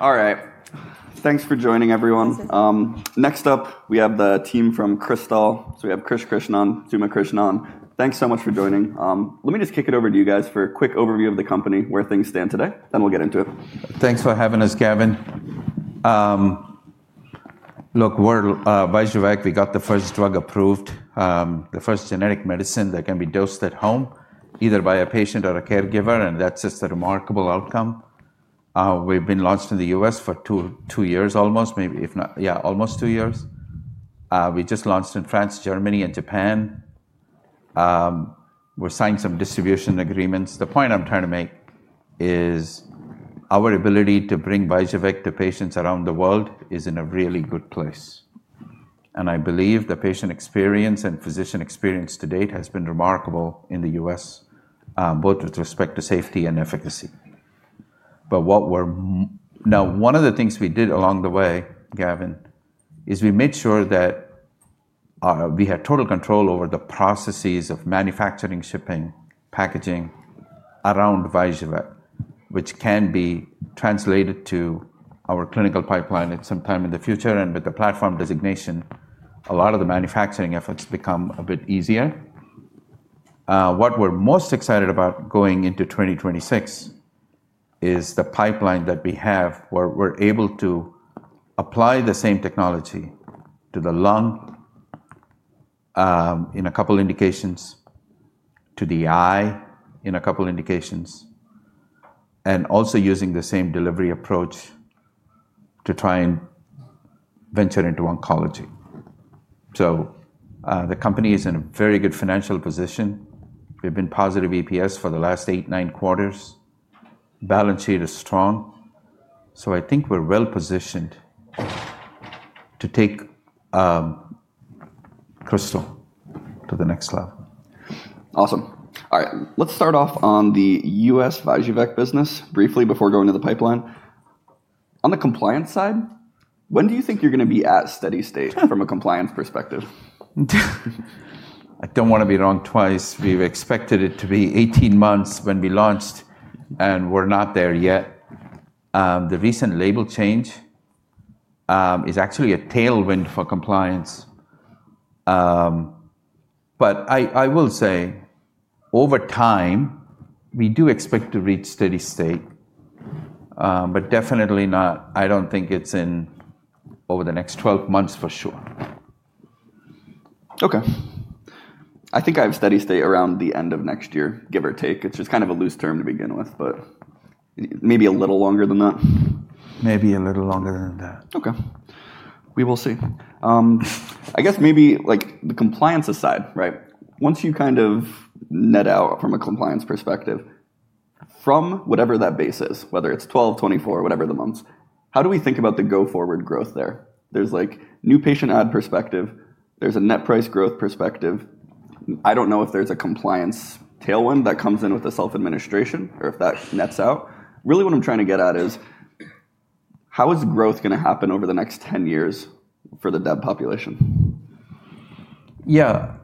All right. Thanks for joining, everyone. Next up, we have the team from Krystal. So we have Krish Krishnan, Suma Krishnan. Thanks so much for joining. Let me just kick it over to you guys for a quick overview of the company, where things stand today. Then we'll get into it. Thanks for having us, Gavin. Look, we're VYJUVEK. We got the first drug approved, the first genetic medicine that can be dosed at home, either by a patient or a caregiver. And that's just a remarkable outcome. We've been launched in the U.S. for two years almost, maybe if not, yeah, almost two years. We just launched in France, Germany, and Japan. We're signing some distribution agreements. The point I'm trying to make is our ability to bring VYJUVEK to patients around the world is in a really good place. And I believe the patient experience and physician experience to date has been remarkable in the U.S., both with respect to safety and efficacy. One of the things we did along the way, Gavin, is we made sure that we had total control over the processes of manufacturing, shipping, packaging around VYJUVEK, which can be translated to our clinical pipeline at some time in the future. With the platform designation, a lot of the manufacturing efforts become a bit easier. What we're most excited about going into 2026 is the pipeline that we have, where we're able to apply the same technology to the lung in a couple of indications, to the eye in a couple of indications, and also using the same delivery approach to try and venture into oncology. The company is in a very good financial position. We've been positive EPS for the last eight, nine quarters. Balance sheet is strong. I think we're well positioned to take Krystal to the next level. Awesome. All right. Let's start off on the U.S. VYJUVEK business briefly before going to the pipeline. On the compliance side, when do you think you're going to be at steady state from a compliance perspective? I don't want to be wrong twice. We've expected it to be 18 months when we launched, and we're not there yet. The recent label change is actually a tailwind for compliance. But I will say, over time, we do expect to reach steady state. But definitely not, I don't think it's in over the next 12 months for sure. Okay. I think I have steady state around the end of next year, give or take. It's just kind of a loose term to begin with, but maybe a little longer than that. Maybe a little longer than that. Okay. We will see. I guess maybe the compliance aside, right, once you kind of net out from a compliance perspective, from whatever that base is, whether it's 12, 24, whatever the months, how do we think about the go-forward growth there? There's new patient add perspective. There's a net price growth perspective. I don't know if there's a compliance tailwind that comes in with the self-administration or if that nets out. Really, what I'm trying to get at is how is growth going to happen over the next 10 years for the DEB population? Yeah.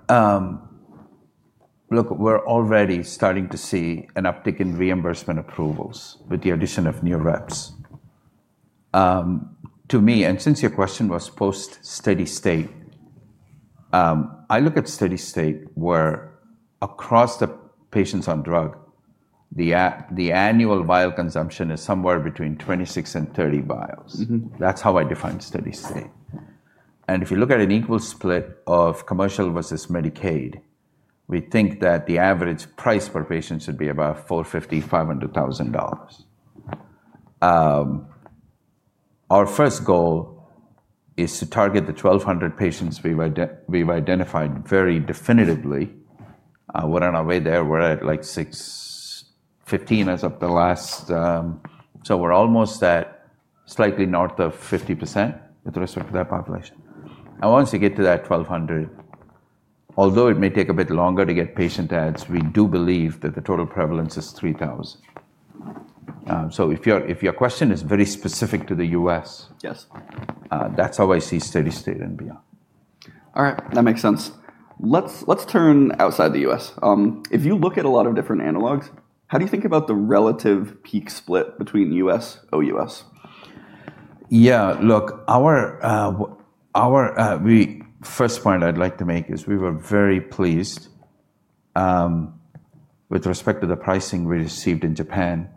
Look, we're already starting to see an uptick in reimbursement approvals with the addition of new reps. To me, and since your question was post steady state, I look at steady state where across the patients on drug, the annual vial consumption is somewhere between 26 and 30 vials. That's how I define steady state. And if you look at an equal split of commercial versus Medicaid, we think that the average price per patient should be about $450,000-$500,000. Our first goal is to target the 1,200 patients we've identified very definitively. We're on our way there. We're at like 615 as of the last. So we're almost at slightly north of 50% with respect to that population. And once you get to that 1,200, although it may take a bit longer to get patient ads, we do believe that the total prevalence is 3,000. So if your question is very specific to the U.S., that's how I see steady state and beyond. All right. That makes sense. Let's turn outside the U.S. If you look at a lot of different analogs, how do you think about the relative peak split between U.S., OUS? Yeah. Look, our first point I'd like to make is we were very pleased with respect to the pricing we received in Japan,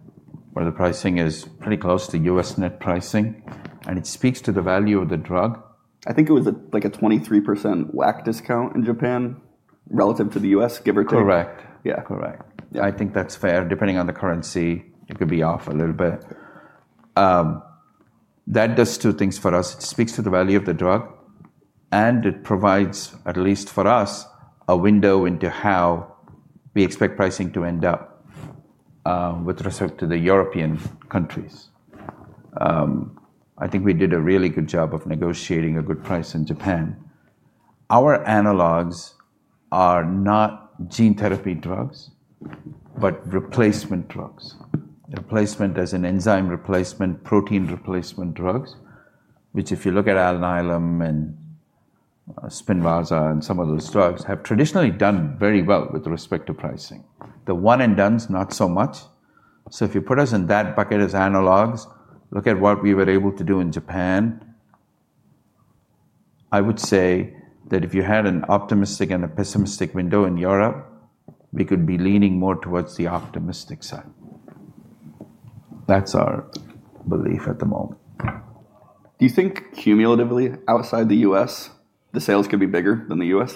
where the pricing is pretty close to U.S. net pricing, and it speaks to the value of the drug. I think it was like a 23% WAC discount in Japan relative to the U.S., give or take. Correct. Yeah. Correct. I think that's fair. Depending on the currency, it could be off a little bit. That does two things for us. It speaks to the value of the drug, and it provides, at least for us, a window into how we expect pricing to end up with respect to the European countries. I think we did a really good job of negotiating a good price in Japan. Our analogs are not gene therapy drugs, but replacement drugs. Replacement as an enzyme replacement, protein replacement drugs, which if you look at Alnylam and Spinraza and some of those drugs have traditionally done very well with respect to pricing. The one and done's, not so much. So if you put us in that bucket as analogs, look at what we were able to do in Japan. I would say that if you had an optimistic and a pessimistic window in Europe, we could be leaning more towards the optimistic side. That's our belief at the moment. Do you think cumulatively outside the U.S., the sales could be bigger than the U.S.?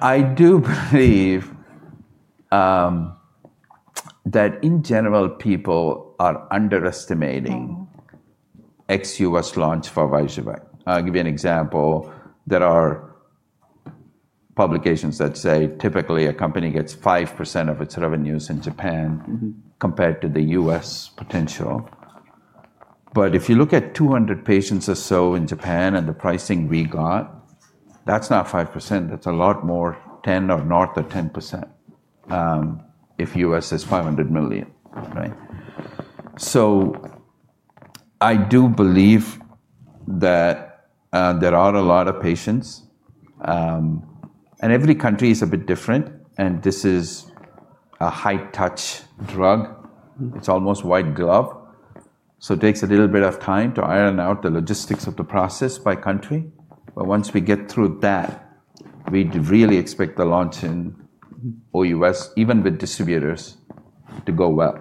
I do believe that in general, people are underestimating ex-U.S. launch for VYJUVEK. I'll give you an example. There are publications that say typically a company gets 5% of its revenues in Japan compared to the U.S. potential. But if you look at 200 patients or so in Japan and the pricing we got, that's not 5%. That's a lot more, 10% or north of 10% if U.S. is $500 million. So I do believe that there are a lot of patients. And every country is a bit different. And this is a high-touch drug. It's almost white glove. So it takes a little bit of time to iron out the logistics of the process by country. But once we get through that, we really expect the launch in OUS, even with distributors, to go well.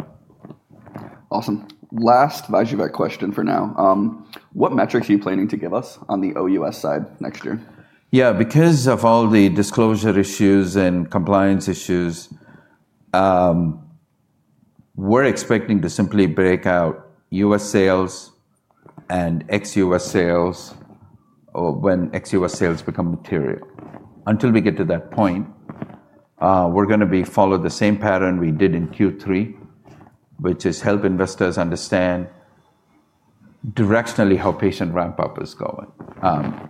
Awesome. Last VYJUVEK question for now. What metrics are you planning to give us on the OUS side next year? Yeah. Because of all the disclosure issues and compliance issues, we're expecting to simply break out U.S. sales and ex-U.S. sales when ex-U.S. sales become material. Until we get to that point, we're going to follow the same pattern we did in Q3, which is help investors understand directionally how patient ramp-up is going.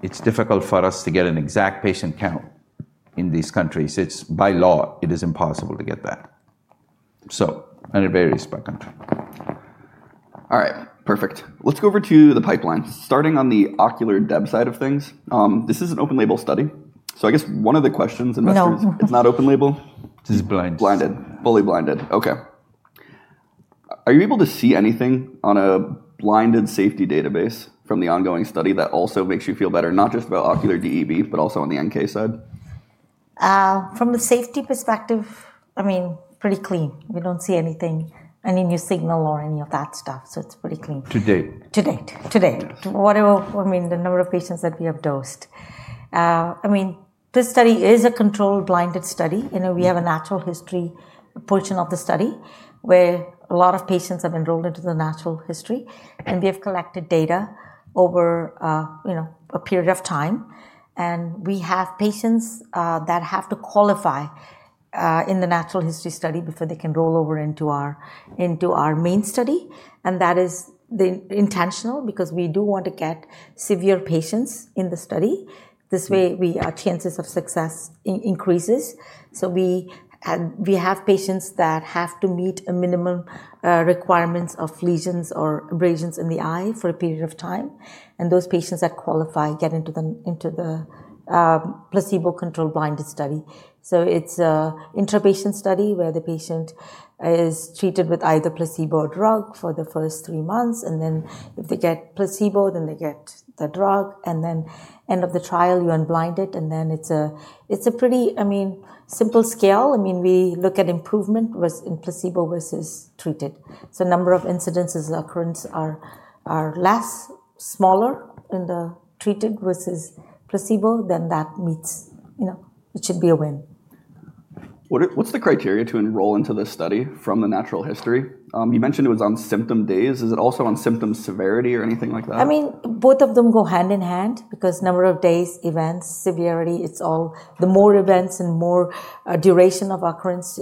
It's difficult for us to get an exact patient count in these countries. By law, it is impossible to get that, and it varies by country. All right. Perfect. Let's go over to the pipeline. Starting on the ocular DEB side of things, this is an open-label study. So I guess one of the questions, investors, it's not open-label? No. It's blinded. Blinded. Fully blinded. Okay. Are you able to see anything on a blinded safety database from the ongoing study that also makes you feel better, not just about ocular DEB, but also on the NK side? From the safety perspective, I mean, pretty clean. We don't see anything, any new signal or any of that stuff. So it's pretty clean. To date? To date, I mean, the number of patients that we have dosed. I mean, this study is a controlled, blinded study. We have a natural history portion of the study where a lot of patients have been rolled into the natural history, and we have collected data over a period of time, and we have patients that have to qualify in the natural history study before they can roll over into our main study, and that is intentional because we do want to get severe patients in the study. This way, our chances of success increases. We have patients that have to meet minimum requirements of lesions or abrasions in the eye for a period of time, and those patients that qualify get into the placebo-controlled, blinded study. It's an intrapatient study where the patient is treated with either placebo or drug for the first three months, and then if they get placebo, then they get the drug, and then end of the trial, you unblind it, and then it's a pretty, I mean, simple scale. I mean, we look at improvement in placebo versus treated, so number of incidences and occurrence are less, smaller in the treated versus placebo, then that meets it should be a win. What's the criteria to enroll into this study from the natural history? You mentioned it was on symptom days. Is it also on symptom severity or anything like that? I mean, both of them go hand in hand because number of days, events, severity. It's all the more events and more duration of occurrence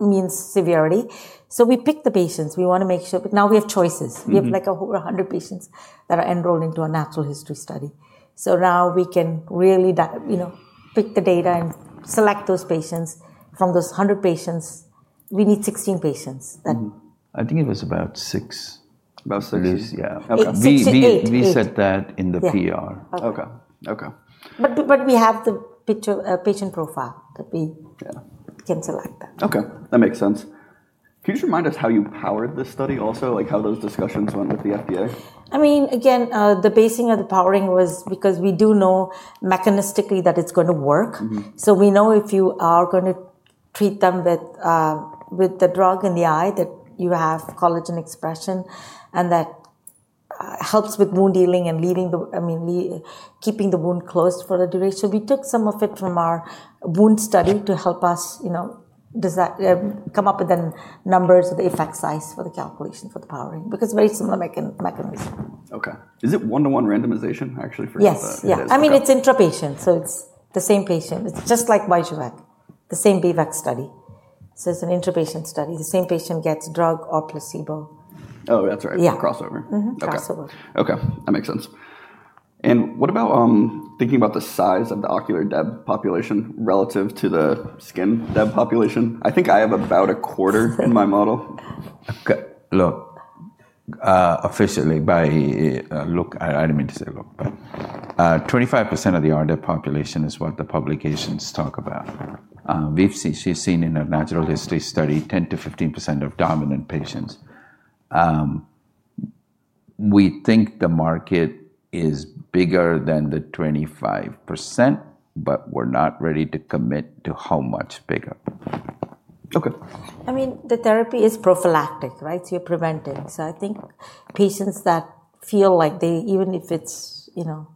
means severity. So we pick the patients. We want to make sure. But now we have choices. We have over 100 patients that are enrolled into a natural history study. So now we can really pick the data and select those patients. From those 100 patients, we need 16 patients. I think it was about six. About six. Yeah. We set that in the PR. Okay. Okay. But we have the patient profile that we can select that. Okay. That makes sense. Could you remind us how you powered this study also, like how those discussions went with the FDA? I mean, again, the basis of the powering was because we do know mechanistically that it's going to work. So we know if you are going to treat them with the drug in the eye, that you have collagen expression and that helps with wound healing and leaving the, I mean, keeping the wound closed for the duration. So we took some of it from our wound study to help us come up with the numbers or the effect size for the calculation for the powering because it's a very similar mechanism. Okay. Is it one-to-one randomization? I actually forget. Yes. I mean, it's intrapatient. So it's the same patient. It's just like VYJUVEK, the same B-VEC study. So it's an intrapatient study. The same patient gets drug or placebo. Oh, that's right. Crossover. Yeah. Crossover. Okay. That makes sense. And what about thinking about the size of the ocular DEB population relative to the skin DEB population? I think I have about a quarter in my model. Officially, 25% of the RDEB population is what the publications talk about. We've seen in a natural history study 10%-15% of dominant patients. We think the market is bigger than the 25%, but we're not ready to commit to how much bigger. Okay. I mean, the therapy is prophylactic, right? So you're preventing. So I think patients that feel like they, even if it's a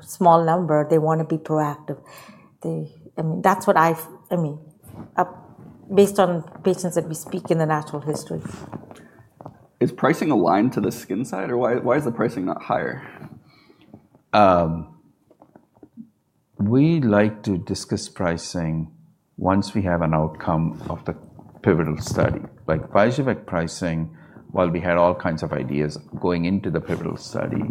small number, they want to be proactive. I mean, that's what I, I mean, based on patients that we speak in the natural history. Is pricing aligned to the skin side? Or why is the pricing not higher? We like to discuss pricing once we have an outcome of the pivotal study. Like VYJUVEK pricing, while we had all kinds of ideas going into the pivotal study,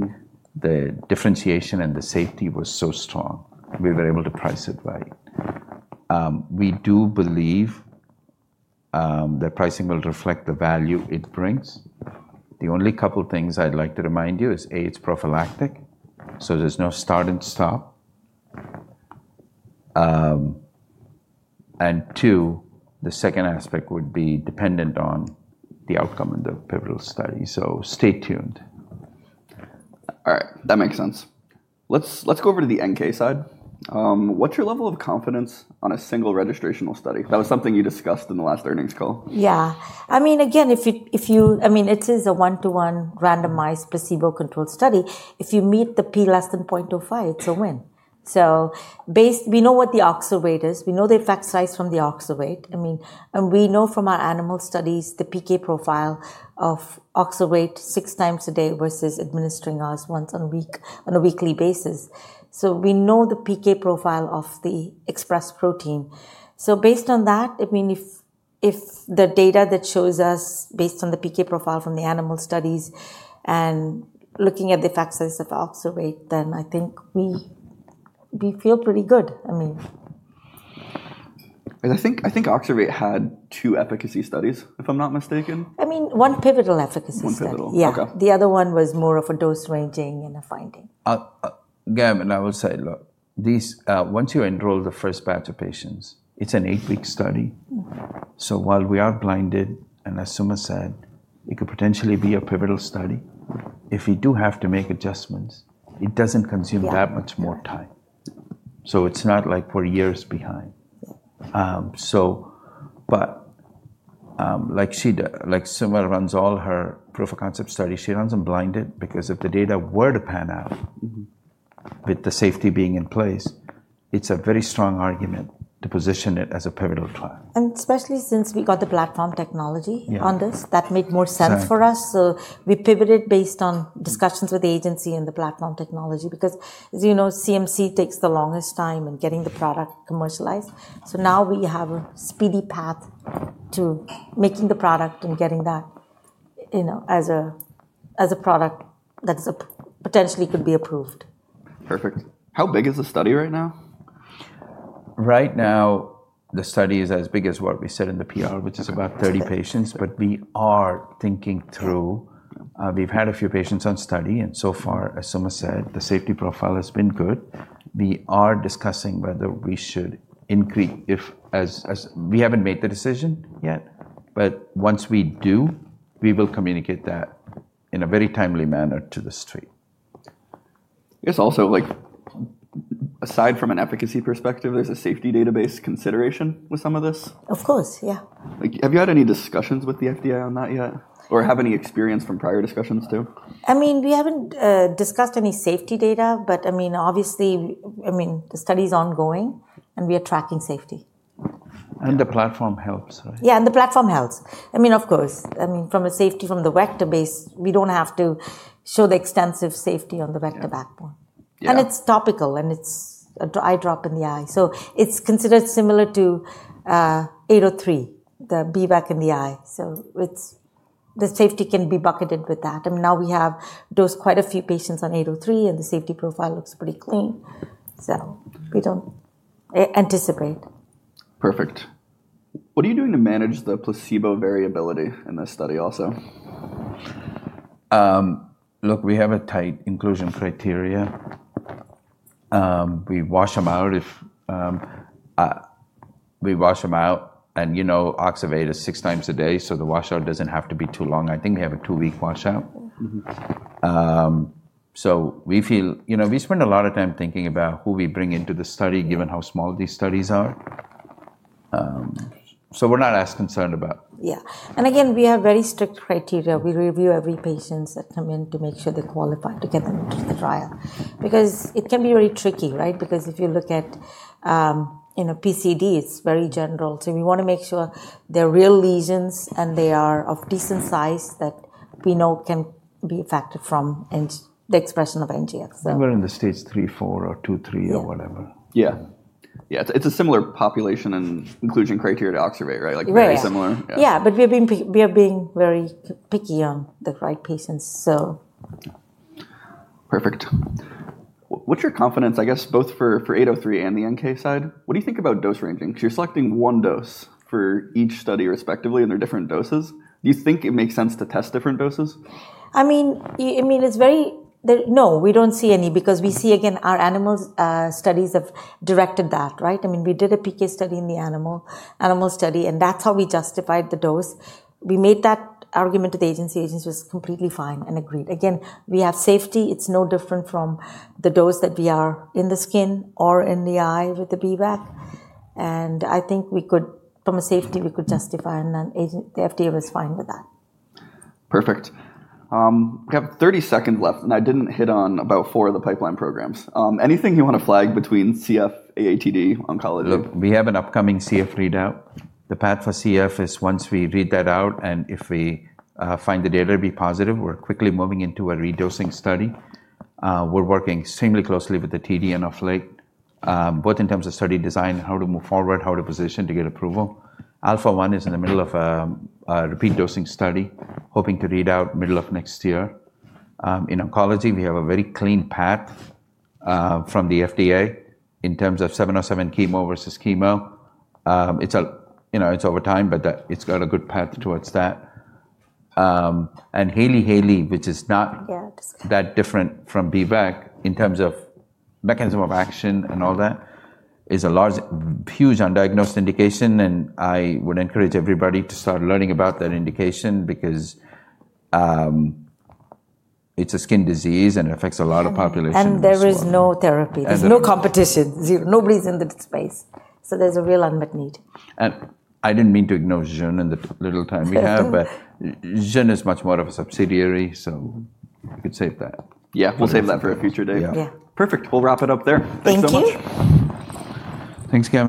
the differentiation and the safety was so strong. We were able to price it right. We do believe that pricing will reflect the value it brings. The only couple of things I'd like to remind you is, A, it's prophylactic, so there's no start and stop, and two, the second aspect would be dependent on the outcome of the pivotal study. So stay tuned. All right. That makes sense. Let's go over to the NK side. What's your level of confidence on a single registrational study? That was something you discussed in the last earnings call. Yeah. I mean, again, if you, I mean, it is a one-to-one randomized placebo-controlled study. If you meet the P less than 0.05, it's a win. So we know what the Oxervate is. We know the effect size from the Oxervate. I mean, and we know from our animal studies the PK profile of Oxervate six times a day versus administering us once on a weekly basis. So we know the PK profile of the expressed protein. So based on that, I mean, if the data that shows us based on the PK profile from the animal studies and looking at the effect size of Oxervate, then I think we feel pretty good. I mean. I think Oxervate had two efficacy studies, if I'm not mistaken. I mean, one pivotal efficacy study. One pivotal. Okay. Yeah. The other one was more of a dose ranging and a finding. Yeah. And I will say, look, once you enroll the first batch of patients, it's an eight-week study. So while we are blinded, and as Suma said, it could potentially be a pivotal study, if we do have to make adjustments, it doesn't consume that much more time. So it's not like we're years behind. But like Suma runs all her proof of concept study, she runs them blinded because if the data were to pan out, with the safety being in place, it's a very strong argument to position it as a pivotal trial. And especially since we got the platform technology on this, that made more sense for us. So we pivoted based on discussions with the agency and the platform technology because CMC takes the longest time in getting the product commercialized. So now we have a speedy path to making the product and getting that as a product that potentially could be approved. Perfect. How big is the study right now? Right now, the study is as big as what we said in the PR, which is about 30 patients, but we are thinking through. We've had a few patients on study, and so far, as Suma said, the safety profile has been good. We are discussing whether we should increase. We haven't made the decision yet, but once we do, we will communicate that in a very timely manner to the street. It's also like, aside from an efficacy perspective, there's a safety database consideration with some of this? Of course. Yeah. Have you had any discussions with the FDA on that yet? Or have any experience from prior discussions too? I mean, we haven't discussed any safety data, but I mean, obviously, I mean, the study is ongoing, and we are tracking safety. The platform helps, right? Yeah. The platform helps. I mean, of course. I mean, from a safety from the vector base, we don't have to show the extensive safety on the vector backbone. It's topical. It's an eye drop in the eye. It's considered similar to 803, the B-VEC in the eye. The safety can be bucketed with that. Now we have dosed quite a few patients on 803. The safety profile looks pretty clean. We don't anticipate. Perfect. What are you doing to manage the placebo variability in this study also? Look, we have a tight inclusion criteria. We wash them out. We wash them out. And Oxervate is six times a day. So the washout doesn't have to be too long. I think we have a two-week washout. So we spend a lot of time thinking about who we bring into the study, given how small these studies are. So we're not as concerned about. Yeah. And again, we have very strict criteria. We review every patient that come in to make sure they qualify to get them into the trial because it can be very tricky, right? Because if you look at PCD, it's very general. So we want to make sure they're real lesions and they are of decent size that we know can be affected from the expression of NGF. Somewhere in the stage three, four, or two, three, or whatever. Yeah. Yeah. It's a similar population and inclusion criteria to Oxervate, right? Like very similar. Yeah, but we are being very picky on the right patients, so. Perfect. What's your confidence, I guess, both for KB103 and the NK side? What do you think about dose ranging? Because you're selecting one dose for each study respectively, and they're different doses. Do you think it makes sense to test different doses? I mean, it's very no, we don't see any because we see, again, our animal studies have directed that, right? I mean, we did a PK study in the animal study. And that's how we justified the dose. We made that argument to the agency. The agency was completely fine and agreed. Again, we have safety. It's no different from the dose that we are in the skin or in the eye with the B-VEC. And I think from a safety, we could justify. And the FDA was fine with that. Perfect. We have 30 seconds left. And I didn't hit on about four of the pipeline programs. Anything you want to flag between CF, AATD, oncology? Look, we have an upcoming CF readout. The path for CF is once we read that out and if we find the data to be positive, we're quickly moving into a redosing study. We're working extremely closely with the TD and Oxervate, both in terms of study design, how to move forward, how to position to get approval. Alpha-1 is in the middle of a repeat dosing study, hoping to read out middle of next year. In oncology, we have a very clean path from the FDA in terms of 707 chemo versus chemo. It's over time, but it's got a good path towards that, and Hailey-Hailey, which is not that different from B-VEC in terms of mechanism of action and all that, is a huge undiagnosed indication. I would encourage everybody to start learning about that indication because it's a skin disease and it affects a lot of populations. There is no therapy. There's no competition. Nobody's in the space. There's a real unmet need. I didn't mean to ignore Jeune and the little time we have. But Jeune is much more of a subsidiary. So we could save that. Yeah. We'll save that for a future day. Yeah. Perfect. We'll wrap it up there. Thanks, Suma. Thank you. Thanks again.